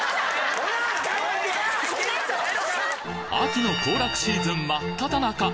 秋の行楽シーズン真っ只中